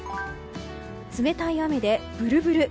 冷たい雨でブルブル。